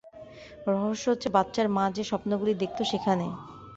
রহস্য হচ্ছে বাচ্চার মা যে-স্বপ্নগুলি দেখত সেখানে।